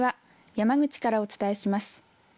山口からお伝えします。